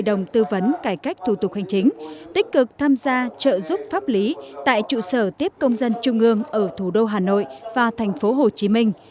hội đồng tư vấn cải cách thủ tục hành chính tích cực tham gia trợ giúp pháp lý tại trụ sở tiếp công dân trung ương ở thủ đô hà nội và thành phố hồ chí minh